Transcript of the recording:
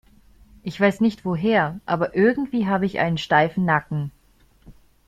Ich weiß nicht woher, aber irgendwie habe ich einen steifen Nacken.